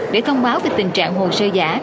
để thông báo về tình trạng hồ sơ giả